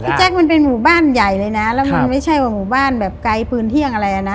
แจ๊คมันเป็นหมู่บ้านใหญ่เลยนะแล้วมันไม่ใช่ว่าหมู่บ้านแบบไกลปืนเที่ยงอะไรอ่ะนะ